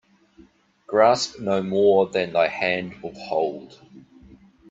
Grasp no more than thy hand will hold